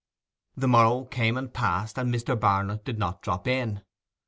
The morrow came and passed, and Mr. Barnet did not drop in.